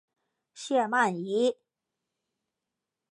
谢曼怡。